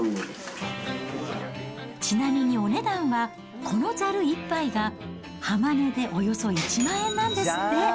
ちなみにお値段は、このざる１杯が浜値でおよそ１万円なんですって。